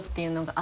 あ。